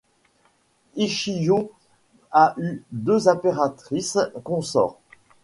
Ichijō a eu deux impératrices-consort.